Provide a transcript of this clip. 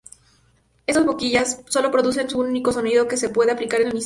Estas boquillas sólo producen un único sonido que se pueda aplicar en el instrumento.